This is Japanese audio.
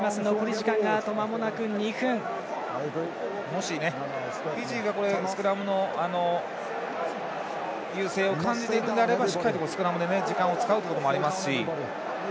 もし、フィジーがスクラムの優勢を感じているのであればしっかりとスクラムで時間を使うということもありますし。